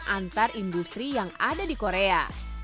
antar industri yang ada di korea